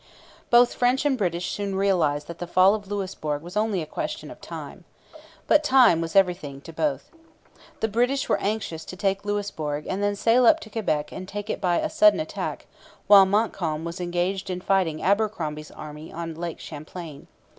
Both French and British soon realized that the fall of Louisbourg was only a question of time. But time was everything to both. The British were anxious to take Louisbourg and then sail up to Quebec and take it by a sudden attack while Montcalm was engaged in fighting Abercromby's army on Lake Champlain.